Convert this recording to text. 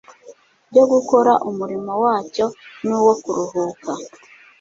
byo gukora umurimo wacyo n’uwo kuruhuka;